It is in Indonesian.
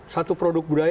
satu produk budaya